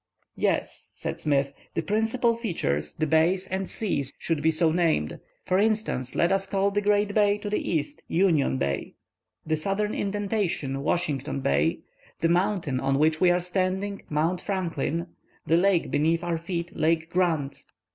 "Yes," said Smith, "the principal features, the bays and seas should be so named. For instance, let us call the great bay to the east Union Bay, the southern indentation Washington Bay, the mountain on which we are standing Mount Franklin, the lake beneath our feet Lake Grant.